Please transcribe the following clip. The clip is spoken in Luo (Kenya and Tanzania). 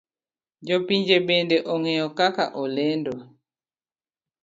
Jo pinje bende ong'eye kaka olendo.